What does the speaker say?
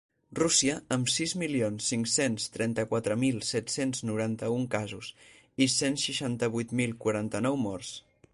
Rússia, amb sis milions cinc-cents trenta-quatre mil set-cents noranta-un casos i cent seixanta-vuit mil quaranta-nou morts.